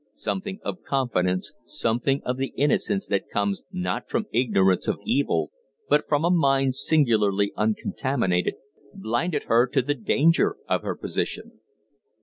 Something of confidence something of the innocence that comes not from ignorance of evil but from a mind singularly uncontaminated blinded her to the danger of her position.